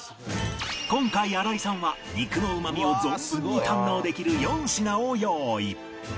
今回荒井さんは肉のうまみを存分に堪能できる４品を用意